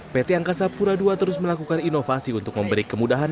pt angkasa pura ii terus melakukan inovasi untuk memberi kemudahan